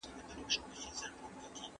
د کار او بار په معاملاتو کي شفافیت راولئ.